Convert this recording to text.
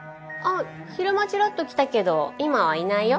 昼間ちらっと来たけど今はいないよ。